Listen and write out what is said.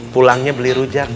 pulangnya beli rujak